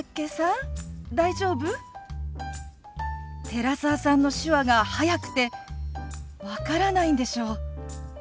寺澤さんの手話が速くて分からないんでしょ。